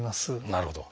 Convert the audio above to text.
なるほど。